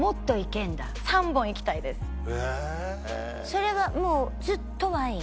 それがもうずっとワイン？